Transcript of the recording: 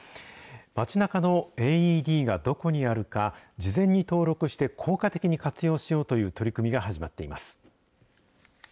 街なかのＡＥＤがどこにあるか、事前に登録して効果的に活用しようという取り組みが始まっています。